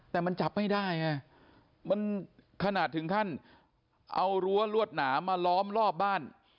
แต่มันจับไม่ได้ไงมันขนาดถึงขั้นเอารั้วรวดหนามมาล้อมรอบบ้าน